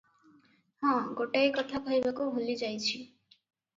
ହଁ, ଗୋଟାଏ କଥା କହିବାକୁ ଭୁଲି ଯାଇଛି ।